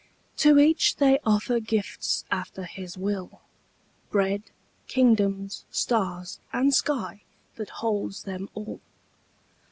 To each they offer gifts after his will, Bread, kingdoms, stars, and sky that holds them all.